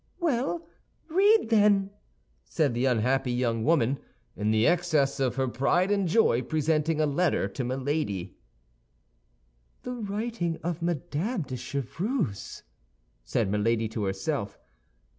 "Well, read, then!" said the unhappy young woman, in the excess of her pride and joy, presenting a letter to Milady. "The writing of Madame de Chevreuse!" said Milady to herself.